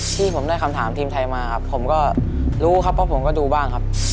ที่ผมได้คำถามทีมไทยมาครับผมก็รู้ครับเพราะผมก็ดูบ้างครับ